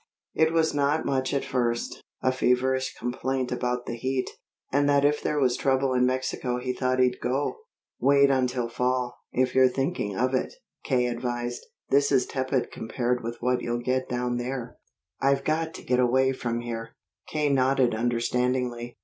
It was not much at first a feverish complaint about the heat, and that if there was trouble in Mexico he thought he'd go. "Wait until fall, if you're thinking of it," K. advised. "This is tepid compared with what you'll get down there." "I've got to get away from here." K. nodded understandingly.